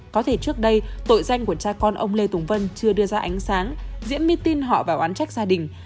có thể trước đây tội danh của cha con ông lê tùng vân chưa đưa ra ánh sáng diễn mit tin họ vào án trách gia đình